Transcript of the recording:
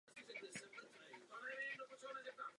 Největší otázkou však nepochybně zůstává situace ve Středomoří.